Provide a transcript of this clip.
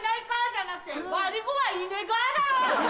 じゃなくて「悪ぃ子はいねえが」だよ！